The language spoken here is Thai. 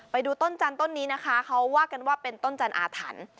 ไปดูต้นจันทนนี้นะคะเขาว่ากันว่าเป็นต้นจันอาถรรพ์